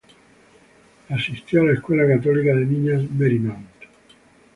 Asistió a la escuela católica de niñas Marymount.